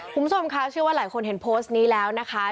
คุณผู้ชมคะเชื่อว่าหลายคนเห็นโพสต์นี้แล้วนะคะ